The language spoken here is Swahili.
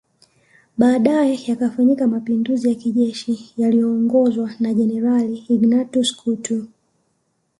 Baadae yakafanyika Mapinduzi ya kijeshi yaliyoongozwa na Jenerali Ignatius Kutu